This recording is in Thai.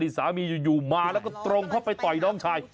ลดิสามีอยู่ตรงและเขาต้องไปต่อยน้องชาย